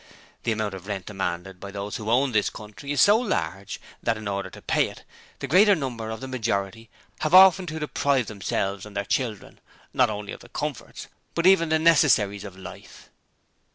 The amount of rent demanded by those who own this country is so large that, in order to pay it, the greater number of the majority have often to deprive themselves and their children, not only of the comforts, but even the necessaries of life.